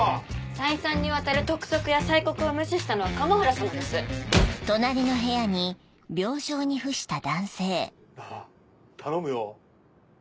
再三にわたる督促や催告を無視したのは加茂原さまです。なぁ頼むよ。